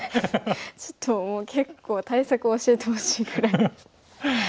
ちょっともう結構対策を教えてほしいぐらいです。